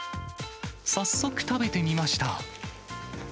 早速、食べてみました。